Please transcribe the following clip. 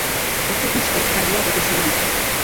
Ez dut uste kargua bete zuenik.